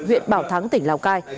huyện bảo thắng tỉnh lào cai